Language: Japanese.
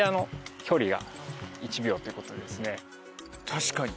確かに。